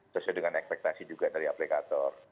sesuai dengan ekspektasi juga dari aplikator